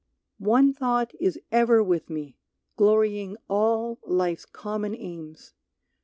One thought is ever with me, glorying all Life's common aims.